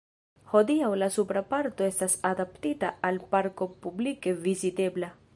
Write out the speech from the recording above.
Hodiaŭ la supra parto estas adaptita al parko publike vizitebla.